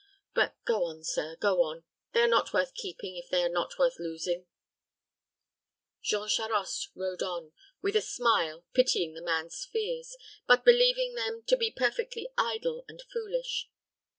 But go on, sir; go on. They are not worth keeping if they are not worth losing." Jean Charost rode on, with a smile, pitying the man's fears, but believing them to be perfectly idle and foolish.